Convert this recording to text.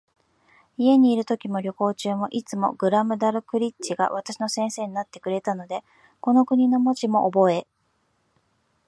家にいるときも、旅行中も、いつもグラムダルクリッチが私の先生になってくれたので、この国の文字もおぼえ、